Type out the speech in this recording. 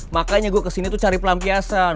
makanya gue kesini tuh cari pelampiasan